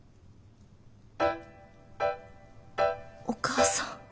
お母さん。